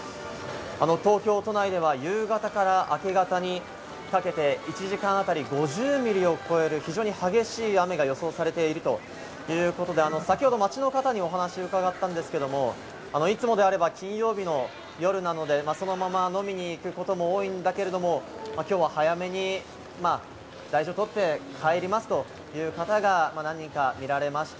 東京都内では夕方から明け方にかけて、１時間あたり５０ミリを超える非常に激しい雨が予想されているということで、先ほど街の方にお話を伺ったんですけれども、いつもであれば金曜日の夜なので、そのまま飲みに行くことも多いんだけれども、きょうは早めに大事を取って帰りますというような方が何人か見られました。